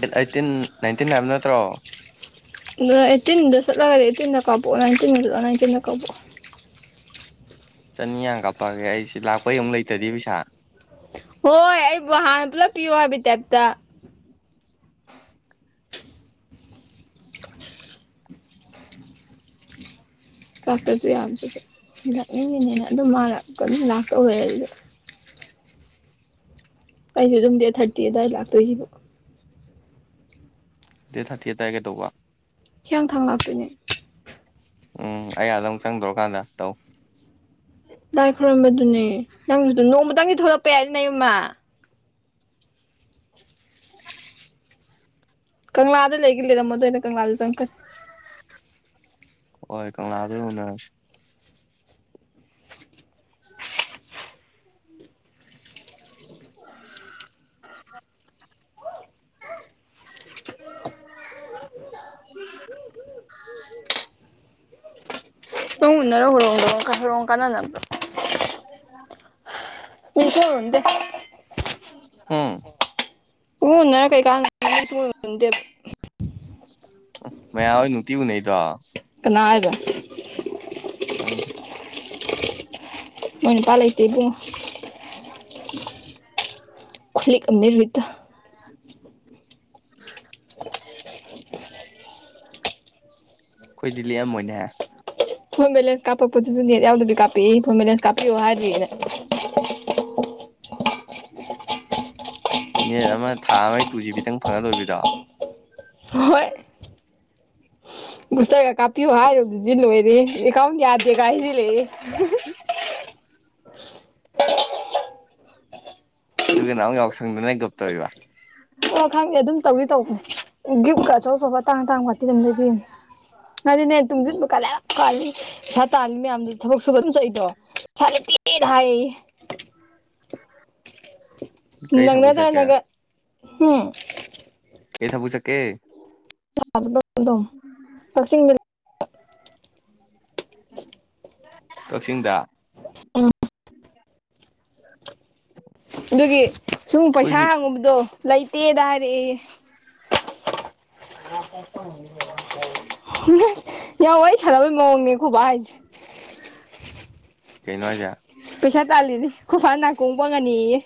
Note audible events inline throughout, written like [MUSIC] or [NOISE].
Date eighteen nineteen ꯍꯥꯏꯕ ꯅꯠꯇ꯭ꯔꯣ ꯑꯩꯠꯇꯤꯟꯗ ꯆꯠꯂꯒꯗꯤ ꯑꯩꯠꯇꯤꯟꯗ ꯀꯥꯄꯣꯛ ꯅꯥꯏꯟꯇꯤꯟꯗꯂ ꯅꯥꯏꯟꯇꯤꯟꯗ ꯀꯥꯄꯑꯣ ꯆꯅꯤꯌꯥ ꯀꯥꯞꯄꯛꯑꯒꯦ ꯑꯩꯁꯤ ꯂꯥꯛꯄꯩ ꯑꯃꯨꯛ ꯂꯩꯇꯗꯤ ꯄꯩꯁꯥ ꯍꯣꯏ ꯑꯩ ꯍꯥꯟꯅ ꯄꯨꯂꯞ ꯄꯤꯌꯣ ꯍꯥꯏꯕꯩ ꯇꯥꯏꯞꯇ ꯀꯥꯄꯁꯨ ꯌꯥꯕꯁꯨꯁꯨ ꯂꯥꯛꯅꯤꯡꯉꯤꯅꯤꯅ ꯑꯗꯨꯝ ꯃꯥꯂ ꯑꯗꯨꯝ ꯂꯥꯛꯀ ꯑꯣꯏꯔ ꯑꯗꯨ [UNINTELLIGIBLE] ꯑꯗꯨꯝ ꯗꯦ ꯊꯥꯔꯇꯤ ꯑꯗꯨꯋꯥꯏ ꯂꯥꯛꯇꯣꯏꯁꯤꯕꯣ ꯗꯦꯠ ꯊꯥꯔꯇꯤ ꯑꯗꯋꯥꯏ ꯀꯩꯗꯧꯕ ꯍꯤꯌꯥꯡꯊꯥꯡ ꯂꯥꯛꯇꯣꯏꯅꯦ ꯎꯝ ꯑꯩ ꯑꯗꯥ ꯑꯃꯨꯛ ꯆꯪꯗꯧꯀꯥꯟꯗ ꯇꯧ ꯂꯥꯏ ꯈꯣꯏꯔꯝꯕꯗꯨꯅꯦ ꯅꯪꯁꯨꯗ ꯅꯣꯡꯃꯇꯪꯗꯤ ꯊꯣꯛꯂꯛꯄ ꯌꯥꯏ ꯅ ꯌꯨꯝꯃ ꯀꯪꯂꯥꯗ ꯂꯩꯒ ꯂꯩꯔꯝꯃꯗꯣ ꯑ ꯑꯣꯏꯅ ꯀꯪꯂꯥꯗ ꯆꯪꯈꯠꯦ ꯍꯣꯏ ꯀꯪꯂꯥ ꯑꯗꯨꯅ [UNINTELLIGIBLE] [UNINTELLIGIBLE] [UNINTELLIGIBLE] ꯅꯪ ꯎꯅꯔꯥ ꯍꯣꯏꯔꯣꯡꯗꯣ ꯍꯣꯏꯔꯣꯡ ꯀꯥꯟꯅꯅꯕꯗꯣ [UNINTELLIGIBLE] [UNINTELLIGIBLE] ꯍꯝ ꯅꯪ ꯎꯟꯅꯔ ꯀꯩ ꯀꯥꯥꯟꯗꯦ [UNINTELLIGIBLE] ꯃꯌꯥꯝ ꯅꯨꯡꯇꯤ ꯎꯅꯩꯗꯣ ꯀꯅꯥ ꯍꯥꯏꯕ [UNINTELLIGIBLE] ꯃꯣꯏꯅ ꯄꯥꯂꯇꯕꯨꯨꯡ ꯈꯂꯤꯅꯤ [UNINTELLIGIBLE] [UNINTELLIGIBLE] ꯈꯣꯏꯗꯤ ꯂꯤꯑꯝꯃꯣꯏꯅꯦ ꯐꯣꯟ ꯕꯦꯂꯦꯟꯁ ꯀꯥꯞꯄꯛꯄꯣꯠꯇꯁꯨ ꯅꯦꯠ ꯌꯥꯎꯗꯕꯤ ꯀꯥꯞꯄꯤꯏ ꯐꯣꯟ ꯕꯦꯂꯦꯟꯁ ꯀꯥꯞꯄꯤꯌꯑꯣ ꯍꯥꯏꯗ꯭ꯔꯤꯅꯦ ꯅꯦꯠ ꯑꯃ ꯊꯥ ꯑꯃꯒꯤ ꯇꯨ ꯖꯤ ꯕꯤꯗꯪ ꯐꯪꯉ ꯂꯣꯏꯕꯤꯗꯣ ꯍꯣꯏ ꯕꯨꯁꯇꯔꯒ ꯀꯥꯄꯤꯌꯨ ꯍꯥꯏꯔꯨꯕꯗꯨꯗꯤ ꯂꯣꯏꯔꯦ ꯑꯦꯀꯥꯎꯟ ꯌꯥꯗꯦꯒ ꯍꯥꯏꯖꯤꯜꯂꯩ ꯑꯗꯨꯒ ꯅꯃꯨꯛ ꯌꯥꯎꯁꯪꯗꯅ ꯒꯞ ꯇꯧꯔꯤꯕ ꯑꯣ ꯈꯪꯉꯦ ꯑꯗꯨꯝ ꯇꯧꯋꯤ ꯇꯧꯕꯅꯦ ꯒꯤꯝꯀ ꯑꯆꯧ ꯑꯆꯧꯄ ꯇꯥꯡ ꯇꯥꯡ ꯋꯥꯇꯤ ꯑꯗꯨꯝ ꯂꯩꯕꯤꯌꯨ ꯉꯗꯤꯅꯦ ꯇꯨꯡꯁꯤꯟꯕ ꯀꯥꯂꯦꯜꯂꯤ ꯇꯥꯜꯂꯤ ꯃꯌꯥꯝꯗꯨ ꯊꯕꯛ ꯁꯨꯕ ꯑꯗꯨꯝ ꯆꯠꯏꯗꯣ ꯄꯩꯁꯥ ꯂꯦꯇꯦꯗ ꯍꯥꯏ ꯀꯩ ꯊꯕꯛ ꯆꯠꯀꯦ [UNINTELLIGIBLE] ꯎꯝ ꯀꯩ ꯊꯕꯛ ꯆꯠꯀꯦ [UNINTELLIGIBLE] [UNINTELLIGIBLE] ꯀꯛꯆꯤꯡꯗ ꯑꯥ ꯑꯗꯨꯒꯤ ꯁꯨꯝ ꯄꯩꯁꯥ ꯑꯩꯈꯣꯏꯗꯤ ꯍꯥꯡꯉꯨꯕꯗꯣ ꯂꯩꯇꯦ ꯇꯔꯑꯦ ꯁ ꯌꯥꯝ ꯋꯥ ꯁꯥꯟꯅꯕꯒꯤ ꯃꯑꯣꯡꯅꯦ ꯈꯨꯣꯕ ꯍꯥꯏꯁꯦ ꯀꯩꯅꯅꯨꯡꯁꯤ ꯄꯩꯁꯥ ꯇꯥꯜꯂꯤꯅꯦ ꯈꯐ ꯅꯥꯀꯣꯡꯕꯪꯒꯅꯤꯌꯦ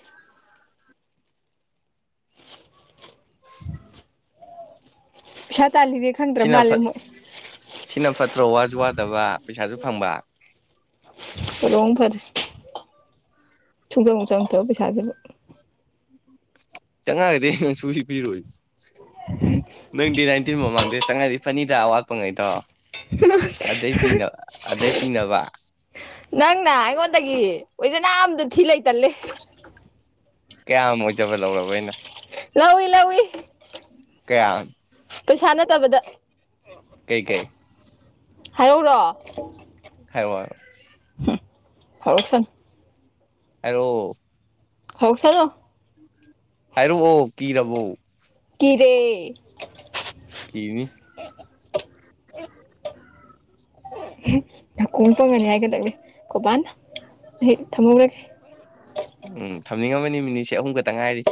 ꯄꯩꯁꯥ ꯇꯥꯜꯂꯤꯒꯦ ꯈꯪꯗ꯭ꯔꯥ ꯁꯤꯅ ꯃꯥꯜꯂꯦ ꯐꯠ ꯃꯣꯏ ꯁꯤꯅ ꯐꯠꯇ꯭ꯔꯣ ꯋꯥꯁꯨ ꯋꯥꯗꯕ ꯄꯩꯁꯥꯁꯨ ꯐꯪꯕ ꯔꯣꯡ ꯐꯔ ꯊꯨꯡꯖꯪ ꯆꯪꯊꯕ ꯄꯩꯁꯥꯖꯕ ꯎꯝ ꯆꯪꯉꯛꯒꯗꯤ ꯑꯩꯅꯥ ꯁꯨꯡꯄꯤ ꯄꯤꯔꯣꯏ ꯎꯝ ꯅꯣꯏꯇꯤ ꯅꯥꯏꯟꯇꯤꯟ ꯃꯃꯥꯡꯗꯩ ꯆꯪꯉꯗꯤ ꯐꯅꯤꯗꯥ ꯋꯥꯠꯄꯉꯩꯗꯣ ꯑꯗꯩ ꯄꯤꯅꯕ ꯑꯗꯩ ꯄꯤꯅꯕ ꯅꯪꯅ ꯑꯩꯉꯣꯟꯗꯒꯤ ꯑꯣꯏꯖꯅꯥ ꯑꯗ ꯊꯤ ꯂꯩꯇꯜꯂꯦ ꯀꯌꯥꯝ ꯑꯣꯏꯖꯕ ꯂꯧꯔꯕ ꯑꯩꯅ ꯂꯧꯏ ꯂꯧꯏ ꯀꯌꯥꯝ ꯄꯩꯁꯥ ꯅꯠꯇꯕꯗ ꯀꯩ ꯀꯩ ꯍꯥꯏꯔꯧꯔꯣ ꯍꯥꯏꯔꯣꯛ ꯍꯥꯢꯔꯣꯛ ꯍꯝ ꯍꯧꯔꯛꯁꯥꯅꯨ ꯍꯥꯏꯔꯛꯑꯣ ꯍꯧꯁꯥꯅꯨ ꯍꯥꯏꯔꯛꯑꯣ ꯀꯤꯔꯕꯣ ꯀꯤꯗꯦ ꯀꯤꯅꯤ ꯅꯥꯀꯣꯡ ꯄꯪꯒꯅꯤ ꯍꯥꯏꯒꯗꯪꯅ ꯀꯧꯕꯥꯅ ꯑꯩ ꯊꯝꯃꯧꯒꯦ ꯎꯝ ꯊꯝꯅꯤꯡꯉꯝꯃꯅꯤ ꯃꯤꯅꯤꯠꯁꯦ ꯑꯍꯨꯝ ꯈꯛꯇ ꯉꯥꯏꯔꯤ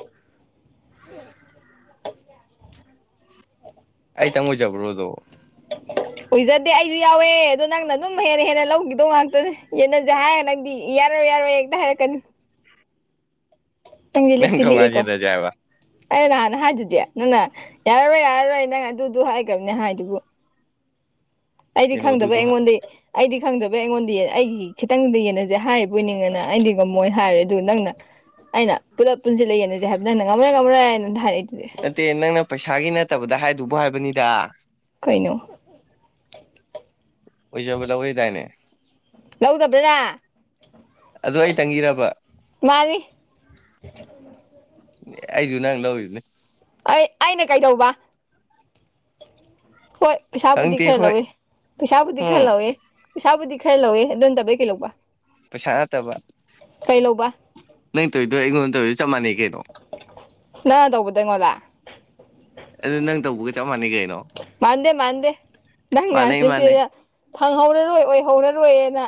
ꯑꯩꯇꯪ ꯑꯣꯏꯖꯕ꯭ꯔꯣ ꯑꯗꯣ ꯑꯣꯏꯖꯗꯦ ꯑꯩꯁꯨ ꯌꯥꯎꯋꯦ ꯑꯗꯣ ꯅꯪꯅ ꯑꯗꯨꯝ ꯍꯦꯟꯅ ꯍꯦꯟꯅ ꯂꯧꯈꯤꯗꯧ ꯉꯥꯛꯇ ꯌꯦꯟꯅꯁꯦ ꯍꯥꯏꯔꯦ ꯅꯪꯗꯤ ꯌꯥꯔꯣꯏ ꯌꯥꯔꯣꯏ ꯍꯦꯛꯇ ꯍꯥꯏꯔꯛꯀꯅꯤ ꯅꯪꯁꯦ ꯅꯪ ꯂꯛꯇꯤ ꯀꯃꯥꯏꯅ ꯂꯤꯛꯑꯦꯀꯣ꯫ ꯍꯦꯟꯅꯁꯦ ꯍꯥꯏꯕ ꯑꯩ ꯅꯍꯥꯟ ꯍꯥꯏꯗꯨꯗꯤ ꯅꯪꯅ ꯌꯥꯔꯔꯣꯏ ꯌꯥꯔꯔꯣꯏ ꯅꯪ ꯑꯗꯨꯗꯨ ꯍꯥꯏꯈ꯭ꯔꯕꯅꯦ ꯍꯥꯏꯗꯨꯕꯨ꯫ ꯑꯩꯗꯤ ꯈꯪꯗꯕꯩ ꯀꯩꯅꯣꯗꯨꯗꯣ ꯑꯩꯉꯣꯟꯗꯩ꯫ ꯑꯩꯗꯤ ꯈꯪꯗꯕꯩ ꯑꯩꯉꯣꯟꯗ ꯑꯩꯒꯤ ꯈꯤꯇꯪꯗꯤ ꯌꯦꯅꯁꯦ ꯍꯥꯏꯔꯤꯕꯅꯤꯅꯅ ꯑꯩꯗꯤ ꯉꯝꯃꯣꯏꯅ ꯍꯥꯏꯔꯦ ꯑꯗꯨꯒ ꯅꯪꯅ꯫ ꯑꯩꯅ ꯄꯨꯂꯞ ꯄꯨꯟꯁꯤꯜ ꯂꯩꯒꯅꯁꯦ ꯍꯥꯏꯕꯗꯤ ꯍꯥꯟꯟꯅ ꯉꯝꯔ ꯉꯝꯃꯔꯦꯅꯗ ꯍꯥꯏꯔꯛꯏꯗꯨꯗꯤ꯫ ꯅꯠꯇꯦ ꯅꯪꯅ ꯄꯩꯁꯥꯒꯤ ꯅꯠꯇꯕꯗ ꯍꯥꯏꯗꯨꯕꯨ ꯍꯥꯏꯕꯅꯤꯗ꯫ ꯀꯩꯅꯣ꯫ ꯑꯣꯏꯖꯕ ꯂꯧꯏ ꯍꯥꯏꯗꯥꯏꯅꯦ꯫ ꯂꯧꯗꯕ꯭ꯔꯔꯥ꯫ ꯑꯗꯨ ꯑꯩ ꯇꯪꯒꯤꯔꯕ꯫ ꯃꯥꯅꯤ ꯑꯩꯁꯨ ꯅꯪ ꯂꯧꯔꯤꯗꯨꯅꯤ꯫ ꯑꯩ ꯑꯩꯅ ꯀꯩꯗꯧꯕ꯫ ꯍꯣꯏ ꯄꯩꯁꯥꯕꯨꯗꯤ ꯈꯪꯗꯦ ꯈꯔ ꯑꯩꯈꯣꯏ ꯂꯧꯋꯦ ꯄꯩꯁꯥꯕꯨꯗꯤ ꯈꯔ ꯎꯝ ꯂꯧꯋꯦ꯫ ꯄꯩꯁꯥꯕꯨꯗꯤ ꯈꯔ ꯂꯧꯋꯦ ꯑꯗꯨꯣ ꯅ ꯇꯕꯩ ꯀꯩ ꯂꯧꯕ꯫ ꯄꯩꯁꯥ ꯅꯠꯇꯕ ꯀꯩ ꯂꯧꯕ ꯅꯪ ꯇꯧꯗꯣꯏ ꯑꯩꯉꯣꯟꯗ ꯇꯧꯔꯤꯗ ꯆꯞ ꯃꯥꯟꯅꯩ ꯀꯩꯅꯣ꯫ ꯅꯪ ꯇꯧꯕꯗꯨ ꯑꯩꯑꯣꯟꯗ꯫ ꯑꯗꯨ ꯅꯪ ꯇꯧꯕꯒ ꯆꯞ ꯃꯥꯟꯅꯩ ꯀꯩꯅꯣ ꯃꯥꯟꯗꯦ ꯃꯥꯟꯗꯦ ꯃꯥꯟꯅꯩ ꯅꯪꯅꯁꯦ ꯁꯤ ꯃꯥꯟꯅꯩ ꯌꯥ꯫ ꯐꯪꯍꯧꯔꯔꯣꯏ ꯑꯣꯏꯍꯧꯔꯔꯣꯏꯅ꯫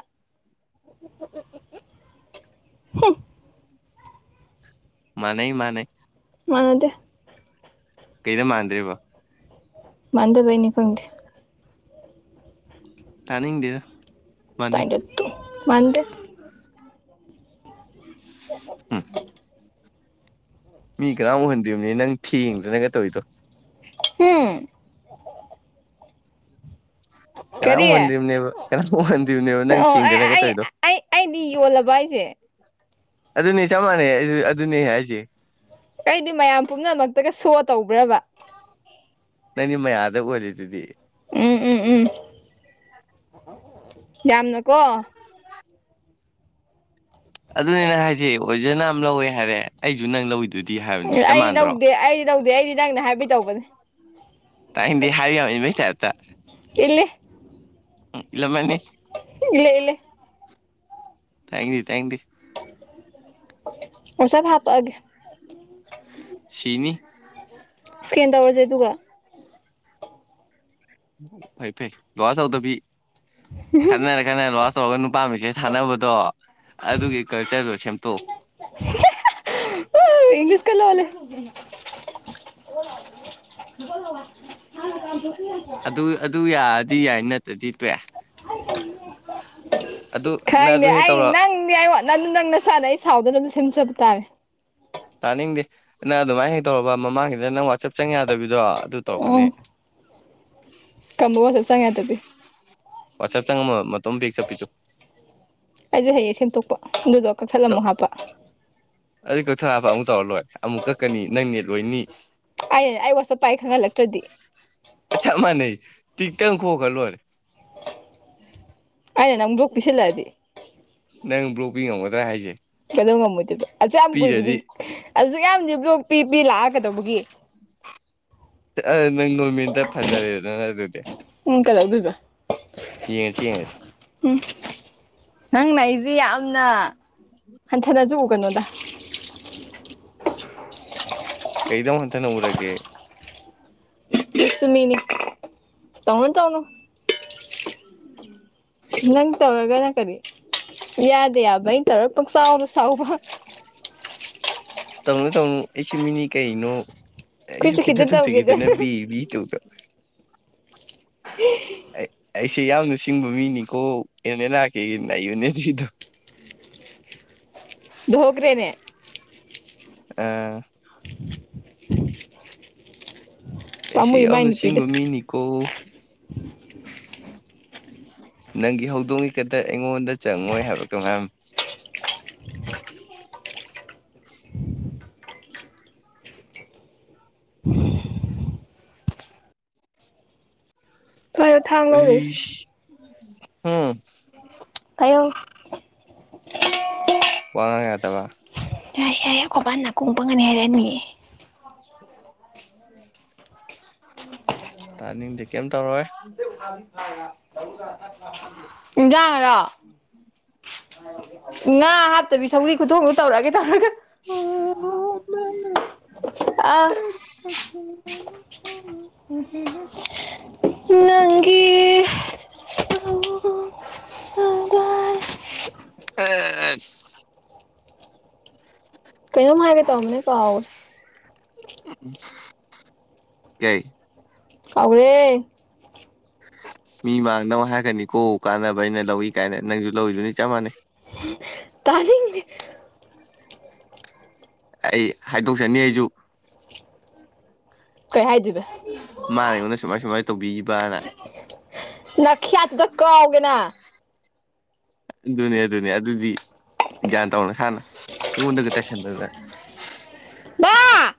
ꯍꯨꯝ꯫ ꯃꯥꯅꯩ ꯃꯥꯅꯩ꯫ ꯃꯥꯟꯅꯗꯦ꯫ ꯀꯩꯗ ꯃꯥꯟꯗ꯭ꯔꯤꯕ꯫ ꯃꯥꯟꯗꯕꯩꯅꯤ ꯈꯪꯗꯦ꯫ ꯇꯅꯤꯡꯗꯦꯗ ꯃꯥꯟꯅꯩ꯫ ꯇꯅꯤꯡꯗꯔ ꯇꯣꯛꯑꯣ ꯃꯥꯟꯗꯦ꯫ ꯍꯨꯝ꯫ ꯃꯤ ꯀꯅꯥꯝ ꯎꯍꯟꯗꯤꯝꯅꯤ ꯅꯪ ꯊꯦꯡꯗꯅꯒ ꯇꯧꯔꯤꯗꯣ꯫ ꯍꯨꯝ꯫ ꯀꯅꯥꯝ ꯀꯔꯤ ꯎꯍꯟꯗ꯭ꯔꯤꯕꯅꯦꯕ ꯀꯅꯥꯝ ꯎꯍꯟꯗ꯭ꯔꯤꯕꯅꯦꯕ ꯅꯪ ꯑꯣ ꯑꯩ ꯊꯦꯡꯗꯅꯒ ꯑꯩ ꯇꯧꯔꯤꯗꯣ꯫ ꯑꯩ ꯑꯩꯗꯤ ꯌꯣꯜꯂꯕ ꯍꯥꯏꯁꯦ ꯑꯗꯨꯅꯤ ꯆꯞ ꯃꯥꯟꯅꯩ ꯑꯗꯨꯅꯤ ꯑꯩ ꯍꯥꯏꯁꯦ꯫ ꯑꯩꯗꯤ ꯃꯌꯥꯝ ꯄꯨꯝꯅꯃꯛꯇꯒ ꯁꯣ ꯇꯧꯕ꯭ꯔꯕ꯫ ꯅꯪꯗꯤ ꯃꯌꯥꯝꯗ ꯑꯣꯏꯔꯤꯗꯨꯗꯤ꯫ ꯎꯝ ꯎꯝ ꯎꯝ ꯌꯥꯝꯅꯀꯣ꯫ ꯑꯗꯨꯅꯤ ꯑꯩꯅ ꯍꯥꯏꯁꯦ ꯑꯣꯖꯅꯥꯝ ꯂꯧꯋꯦ ꯍꯥꯏꯔꯦ ꯑꯩꯁꯨ ꯅꯪ ꯂꯧꯋꯤꯗ꯫ ꯑꯩ ꯂꯧꯗꯦ ꯑꯩꯗꯤ ꯂꯧꯗꯦ ꯑꯩꯗꯤ ꯅꯪꯅꯦ ꯍꯥꯏꯕꯩ ꯇꯧꯕꯅꯦ꯫ ꯇꯥꯛꯏꯅꯤꯡꯗꯦ ꯍꯥꯏꯕ ꯌꯥꯝ ꯏꯟꯕꯩ ꯇꯥꯏꯞꯇ ꯏꯜꯂꯦ ꯎꯝ ꯏꯂꯝꯃꯅꯤ꯫ ꯏꯜꯂꯦ ꯏꯜꯂꯦ꯫ ꯇꯥꯅꯤꯡꯗꯦ ꯇꯥꯅꯤꯡꯗꯦ꯫ ꯋꯥꯠꯆꯥꯞ ꯍꯥꯞꯄꯛ ꯑꯒꯦ꯫ ꯁꯤꯅꯤ꯫ ꯏꯁꯀꯦꯟ ꯇꯧꯔꯁꯦ ꯑꯗꯨꯒ꯫ ꯐꯩ ꯐꯩ ꯂꯣꯛꯑꯥꯎꯠ ꯇꯧꯗꯕꯤ ꯈꯠꯅꯔ꯫ ꯅꯪꯅ ꯂꯣꯛꯑꯣꯠ ꯇꯧꯔꯒ ꯅꯨꯄꯥ ꯃꯦꯁꯦꯁ ꯊꯥꯟꯅꯕꯗꯣ ꯑꯗꯨꯒꯤ ꯀꯜꯆꯔꯗꯣ ꯁꯦꯝꯇꯣꯛꯎ꯫ [UNINTELLIGIBLE] ꯏꯪꯂꯤꯁꯀ ꯂꯣꯜꯂꯤ꯫ [UNINTELLIGIBLE] [UNINTELLIGIBLE] ꯑꯗꯨ ꯑꯗꯨ ꯌꯥꯔꯗꯤ ꯌꯥꯏ ꯅꯠꯇ꯭ꯔꯗꯤ ꯇꯣꯛꯑꯦ꯫ ꯑꯗꯣ꯫ ꯈꯪꯗꯦ ꯑꯩ ꯅꯪꯗꯤ ꯑꯩ ꯋꯥꯠ ꯅꯪ ꯑꯗꯨ ꯅꯪ ꯅꯁꯥꯅ ꯑꯩ ꯁꯥꯎꯗꯅꯕ ꯁꯦꯝꯖꯕ ꯇꯥꯔꯦ꯫ ꯇꯥꯅꯤꯡꯗꯦ ꯅꯪ ꯑꯗꯨꯃꯥꯏꯅ ꯍꯦꯛ ꯇꯧꯔꯕ ꯃꯃꯥꯡꯒꯤꯗ ꯅꯪ ꯋꯥꯆꯞ ꯆꯪ ꯌꯥꯗꯕꯤꯗꯣ ꯑꯗꯨ ꯇꯧꯔꯛꯀꯅꯤ ꯎꯝ [INAUDIBLE] ꯀꯝꯕ ꯋꯥꯠꯆꯞ ꯆꯪ ꯌꯥꯗꯕꯤ ꯋꯥꯠꯆꯞ ꯆꯪꯉꯝꯃ ꯃꯇꯣꯝ ꯕꯦꯛ ꯆꯠꯄꯤꯗꯣ ꯑꯩꯁꯨ ꯍꯩꯌꯦ ꯁꯦꯝꯗꯣꯛꯄ ꯑꯗꯨꯗꯣ ꯀꯛꯊꯠꯂ ꯑꯃꯨꯛ ꯍꯥꯞꯄ ꯑꯗꯨꯗꯤ ꯀꯠꯊꯠꯂ ꯍꯥꯞꯄ ꯑꯃꯨꯛ ꯇꯧꯔ ꯂꯣꯏ ꯑꯃꯨꯛ ꯀꯛꯀꯅꯤ ꯅꯪ ꯅꯦꯠ ꯂꯣꯏꯅꯤ ꯑꯩꯅ ꯑꯩ ꯋꯥꯠꯆꯞ ꯄꯥꯏ ꯈꯪꯍꯜꯂꯛꯇ꯭ꯔꯗꯤ ꯆꯞ ꯃꯥꯟꯅꯩ ꯇꯤꯛꯇꯪ ꯈꯣꯠꯈ꯭ꯔ ꯂꯣꯏꯔꯦ ꯑꯩꯅ ꯅꯪ ꯕ꯭ꯂꯣꯛ ꯄꯤꯁꯤꯜꯂꯛꯑꯗꯤ ꯅꯪ ꯕ꯭ꯂꯣꯛꯄꯤ ꯉꯝꯒꯗ꯭ꯔꯥ ꯍꯥꯏꯁꯦ ꯀꯩꯗꯧ ꯉꯝꯃꯣꯏꯗꯣꯏꯕ ꯑꯁꯨꯛꯌꯥꯝ ꯀꯨꯏꯕꯗꯤ ꯄꯤꯔꯗꯤ ꯑꯁꯨ ꯌꯥꯝꯗꯤ ꯕ꯭ꯂꯣꯛ ꯄꯤ ꯄꯤ ꯂꯥꯛꯑ ꯀꯗꯧꯕꯒꯤ ꯐ ꯅꯪ ꯅꯣꯔꯃꯦꯟꯗ ꯐꯖꯔꯦꯗꯅ ꯑꯗꯨꯗꯤ ꯅꯪ ꯀꯩꯗꯧꯗꯣꯏꯕ ꯌꯦꯡꯉꯁꯤ ꯌꯦꯡꯉꯁꯤ ꯎꯝ ꯅꯪꯅ ꯑꯩꯁꯤ ꯌꯥꯝꯅ ꯍꯟꯊꯅꯁꯨ ꯎꯒꯅꯨꯗ ꯀꯩꯗ ꯑꯃꯨꯛ ꯍꯟꯊꯅ ꯎꯔꯒꯦ ꯁꯨꯃꯤꯅꯤ ꯇꯧꯅꯨ ꯇꯧꯅꯨ ꯎꯝ ꯅꯪ ꯇꯧꯔꯒ ꯅꯪ ꯀꯔꯤ ꯌꯥꯗꯦ ꯌꯥꯕ ꯑꯩꯅ ꯇꯧꯔꯒ ꯄꯪꯆꯥꯎꯅ ꯁꯥꯎꯕ ꯇꯧꯅꯨ ꯇꯧꯅꯨ ꯑꯩꯁꯨ ꯃꯤꯅꯤ ꯀꯩꯅꯣ ꯑꯩꯁꯨ ꯑꯩꯈꯣꯏꯁꯨ ꯈꯤꯇ ꯇꯧꯁꯤ ꯇꯧꯒꯦꯗ ꯈꯤꯇꯅꯦ ꯕꯤ ꯕꯤ ꯇꯧꯗ [UNINTELLIGIBLE] ꯁꯤ ꯌꯥꯝꯅ ꯆꯤꯡꯕ ꯃꯤꯅꯤꯀꯣ ꯍꯦꯟꯅ ꯂꯥꯛꯀꯦꯅꯏꯕꯅꯦ ꯁꯤꯗꯣ [UNINTELLIGIBLE] ꯒ꯭ꯔꯦꯅꯦ ꯑ [UNINTELLIGIBLE] ꯑꯩꯁ ꯄꯥꯝꯃꯨꯏ ꯃꯥꯏ ꯌꯥꯝꯅ ꯅꯨꯄꯤꯗꯣ ꯆꯤꯡꯕ ꯃꯤꯅꯤꯀꯣ ꯅꯪꯒꯤ ꯍꯧꯗꯣꯡꯉ ꯈꯛꯇ ꯑꯩꯉꯣꯟꯗ ꯆꯪꯉꯣꯏ ꯍꯥꯏꯕꯛꯇꯣ ꯃꯦꯝ [UNINTELLIGIBLE] ꯄꯥꯏꯌꯣ ꯊꯥꯡ ꯂꯧꯔꯨꯒꯦ ꯑꯩ ꯎꯝ ꯑꯌꯧ ꯋꯥꯉꯦꯠꯇꯕ ꯌꯥ ꯌꯥꯏ ꯑꯩꯈꯣꯄ ꯅꯥ ꯀꯣꯡꯕꯪꯒꯅꯤ ꯍꯥꯏꯔꯅꯤꯌꯦ ꯎꯝ ꯇꯥꯅꯤꯡꯗꯤ ꯀꯩꯝ ꯇꯧꯔꯣꯏ ꯏꯖꯥꯡꯔꯣ ꯉꯥ ꯍꯥꯞꯇꯕꯤ ꯁꯧꯔꯤ ꯈꯨꯊꯣꯡꯗꯣ ꯇꯧꯔꯛꯑꯒꯦ ꯇꯧꯔꯒ ꯑ ꯎ ꯅꯪꯦ [UNINTELLIGIBLE] ꯑ ꯀꯩꯅꯣꯝ ꯍꯥꯏꯒꯦ ꯇꯧꯕꯅꯦꯀꯣ ꯀꯏ ꯐꯥꯎꯔꯦ ꯃꯤ ꯃꯥꯡꯅꯕꯧ ꯍꯥꯏꯔꯛꯅꯤꯀꯣ ꯀꯥꯟꯅꯕ ꯑꯩꯅ ꯂꯧꯏ ꯀꯥꯏꯅ ꯅꯪꯁꯨ ꯂꯧꯔꯤꯗꯨꯅꯤ ꯆꯞ ꯃꯥꯟꯅꯩ ꯇꯥꯅꯤ ꯑꯩ ꯍꯥꯏꯗꯣꯛꯆꯅꯤ ꯑꯩꯁꯨ ꯀꯩ ꯍꯥꯏꯗꯣꯏꯔꯤꯕꯦ ꯃꯥꯅꯦꯉꯣꯟꯗ ꯁꯨꯃꯥꯏ ꯁꯨꯃꯥꯏꯅ ꯇꯧꯕꯤꯈꯤꯕꯅ ꯅꯈꯌꯥꯗꯨꯗ ꯀꯥꯎꯒꯦꯅ [UNINTELLIGIBLE] [INAUDIBLE] ꯑꯗꯨꯅꯦ ꯑꯗꯨꯅꯦ ꯑꯗꯨꯗꯤ ꯒ꯭ꯌꯥꯟ ꯇꯧꯅ ꯁꯥꯥꯟꯅ ꯑꯩꯉꯣꯟꯗꯒ ꯇꯥꯏꯁꯟꯗꯅ [UNINTELLIGIBLE]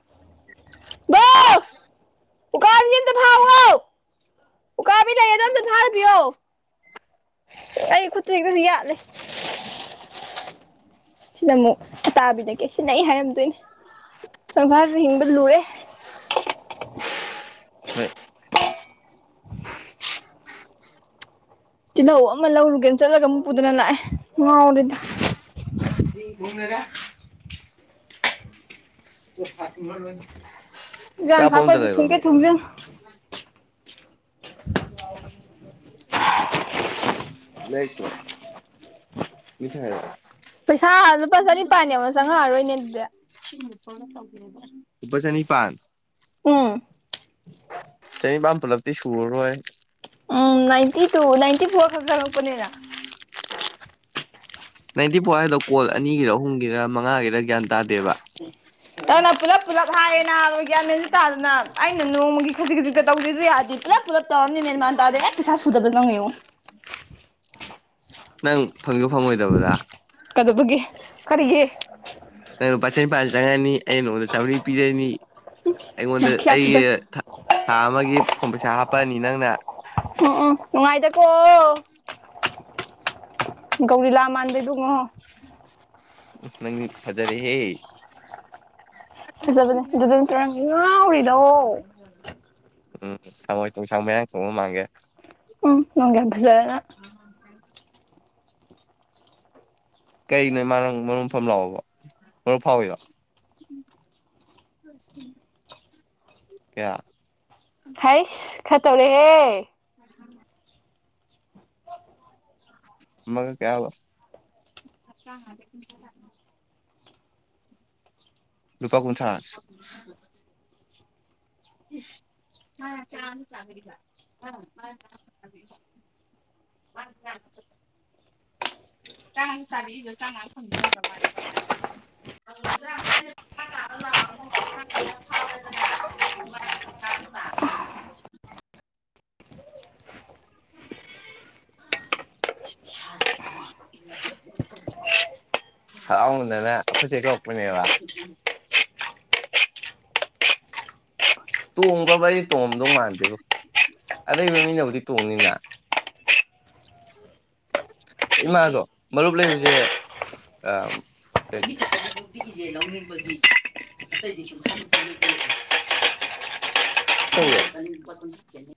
ꯎ ꯀꯕꯤꯗ ꯐꯥꯎ ꯎꯀꯥꯕꯤ ꯂꯩꯌꯦ ꯑꯗꯨꯝ ꯊꯥꯔꯕꯤꯌꯣ ꯑꯩ ꯈꯨꯠꯇꯔꯤ ꯀꯁꯨ ꯌꯥꯂꯦ ꯁꯤꯅ ꯑꯃꯨꯛ ꯑꯇꯥꯕꯤꯗ ꯀꯦ ꯁꯤꯅ ꯑꯩ ꯍꯥꯏꯔꯝꯗꯣꯏꯅꯦ ꯁꯪꯁꯥꯥꯁꯦ ꯍꯤꯡꯕꯗ ꯂꯨꯔꯦ ꯍꯣꯏ ꯇꯤꯜꯍꯧ ꯑꯃ ꯂꯧꯔꯨꯒꯦꯅ ꯆꯠꯂꯒ ꯑꯃꯨꯛ ꯄꯨꯗꯅ ꯂꯥꯛꯑꯦ ꯉꯥꯎꯔꯦꯗꯤ [UNINTELLIGIBLE] ꯌꯥꯥꯡ ꯑꯆꯥꯄꯣꯠ ꯑꯝꯇ ꯊꯥꯄꯣꯏꯕꯨ ꯂꯩꯔꯣꯏ ꯊꯨꯡꯒꯦ ꯃꯥ ꯊꯨꯡꯖꯪ [UNINTELLIGIBLE] [UNINTELLIGIBLE] ꯂꯩꯁ꯭ꯔꯣ ꯄꯩꯁꯥ ꯂꯨꯄꯥ ꯆꯅꯤꯄꯥꯜꯅꯦ ꯑꯃꯅ ꯆꯪꯉꯛꯑꯔꯣꯏꯅꯦ ꯑꯗꯨꯗꯤ ꯎꯄꯥꯁꯅꯤ ꯄꯥꯟ ꯎꯝ ꯆꯅꯤꯄꯟ ꯄꯨꯂꯞꯇꯗꯤ ꯁꯨꯔꯔꯣꯏ ꯎꯝ ꯅꯥꯏꯟꯇꯤ ꯇꯨ ꯅꯥꯏꯟꯇꯤ ꯐꯣꯔ ꯈꯛ ꯆꯪꯉꯛꯄꯅꯦꯅ ꯅꯥꯏꯟꯇꯤ ꯐꯣꯔ ꯍꯥꯏꯗ ꯀꯣꯜ ꯑꯅꯤꯒꯤꯔ ꯑꯍꯨꯝꯒꯤꯔ ꯃꯉꯥꯒꯤꯔ ꯒ꯭ꯌꯥꯟ ꯇꯥꯗꯦꯕ ꯅꯪꯅ ꯄꯨꯂꯞ ꯄꯨꯂꯞ ꯍꯥꯏꯌꯦ ꯅꯥꯕꯒꯤꯌꯥꯃꯦꯟꯁꯤ ꯇꯥꯗꯅ ꯑꯩꯅ ꯅꯣꯡꯃꯒꯤ ꯈꯖꯤꯛ ꯈꯖꯤꯛꯇ ꯇꯧꯗꯦꯁꯨ ꯌꯥꯗꯦ ꯄꯨꯂꯞ ꯄꯨꯂꯞ ꯇꯔꯝꯅꯤ ꯃꯦꯟ ꯃꯥꯟ ꯇꯥꯦ ꯑꯦ ꯄꯩꯁꯥ ꯁꯨꯗꯕ ꯅꯪꯉꯨ ꯅꯪ ꯐꯪꯗ ꯐꯪꯉꯣꯏꯗꯕꯗ ꯀꯩꯗꯧꯕꯒꯤ ꯀꯔꯤꯒꯤ ꯅꯪ ꯂꯨꯄꯥ ꯆꯅꯤꯄꯥꯥꯟꯗ ꯆꯪꯉꯅꯤ ꯑꯩ ꯅꯉꯣꯟꯗ ꯆꯥꯝꯃꯔꯤ ꯄꯤꯖꯩꯅꯤ ꯑꯩꯉꯣꯟꯗ ꯑꯩꯒꯤ ꯅꯥꯈꯤꯌꯥꯠꯇꯨꯗ ꯊꯥ ꯑꯃꯒꯤ ꯐꯣꯟ ꯄꯩꯁꯥ ꯍꯥꯞꯄꯛꯑꯅꯤ ꯅꯪꯅ ꯎꯝ ꯎꯝ ꯅꯨꯡꯉꯥꯏꯗꯀꯣ ꯒꯧꯔꯤ ꯂꯥ ꯃꯥꯟꯗ ꯉ ꯅꯪ ꯐꯖꯔꯦ ꯍꯦ ꯐꯖꯕꯅꯦ ꯑꯗꯨꯗꯤ ꯅꯪ ꯉꯥꯎꯎꯔꯤꯗꯑꯣ [INAUDIBLE] [UNINTELLIGIBLE] ꯎꯝ ꯊꯃꯣꯏ ꯊꯣꯡꯁꯥꯡ ꯃꯌꯥꯥꯡ ꯊꯣꯡꯕ ꯃꯥꯡꯒꯦ ꯎꯝ ꯅꯪꯒ ꯍꯕꯖꯅ [UNINTELLIGIBLE] [INAUDIBLE] ꯀꯩꯩꯅꯣ ꯃꯥꯅꯪ ꯃꯔꯨꯝ ꯃꯐꯝ ꯂꯥꯛꯑꯣꯕ ꯃꯔꯨꯞ ꯐꯥꯎꯋꯕ ꯀꯌꯥ ꯍꯩꯁ ꯈꯠꯇꯧꯔꯦꯍꯦ [INAUDIBLE] [UNINTELLIGIBLE] ꯃꯒ ꯀꯌꯥ ꯂꯨꯄꯥ ꯀꯨꯟꯊꯔꯥ [UNINTELLIGIBLE] [UNINTELLIGIBLE] ꯆꯥꯡ ꯆꯥꯔꯤꯗꯣ ꯆꯥꯡꯝꯃꯉꯥ ꯐꯪꯗ ꯅꯠꯇ꯭ꯔ ꯃꯥꯜꯅꯦ [UNINTELLIGIBLE] ꯅ ꯐꯥꯎꯔꯦꯗꯅ ꯑꯗꯨ [UNINTELLIGIBLE] [UNINTELLIGIBLE] ꯍꯔꯥꯎ ꯃꯟꯗꯅ ꯑꯈꫭꯏ ꯆꯦ ꯀꯧꯔꯛꯄꯅꯕ ꯇꯣꯡꯈꯕ ꯑꯩ ꯇꯣꯝꯗꯧ ꯃꯥꯟꯗꯦꯕ ꯑꯂꯩꯕ ꯃꯤꯅꯕꯨꯗꯤ ꯇꯣꯡꯅꯤꯅ ꯏꯃꯥꯗꯣ ꯃꯔꯨꯞ ꯂꯩꯕꯁꯦ ꯑ ꯃꯤ ꯈꯛꯇꯗꯤ ꯅꯨ ꯄꯤꯁꯦ ꯂꯧꯅꯤꯡꯕꯒꯤ꯫ ꯑꯇꯩꯗꯤ ꯀꯊꯥꯟ ꯅꯤꯐꯎ ꯂꯣꯏ ꯄꯤꯔꯛ ꯑꯕꯥ꯫ [UNINTELLIGIBLE]